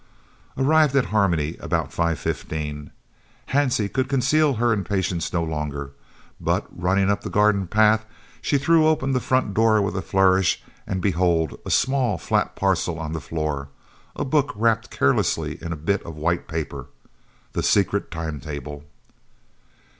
Arrived at Harmony at about 5.15, Hansie could conceal her impatience no longer, but, running up the garden path, she threw open the front door with a flourish, and behold, a small flat parcel on the floor, a book wrapped carelessly in a bit of white paper! The secret time table!